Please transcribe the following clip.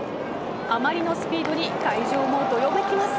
あまりのスピードに会場もどよめきます。